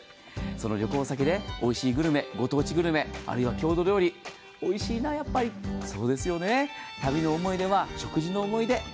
その旅行先でおいしいグルメ、ご当地グルメ、郷土料理、おいしいな、やっぱり、そうですよね、旅の思い出は食事の思い出。